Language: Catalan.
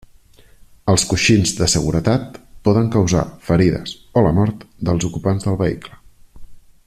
Els coixins de seguretat poden causar ferides o la mort dels ocupants del vehicle.